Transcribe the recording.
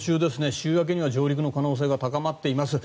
週明けには上陸の可能性が高まっています。